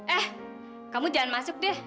eh kamu jangan masuk deh